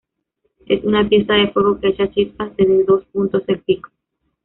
Es una pieza de fuego que echa chispas desde dos puntos del pico.